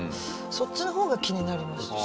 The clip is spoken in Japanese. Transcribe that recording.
そっちの方が気になりました。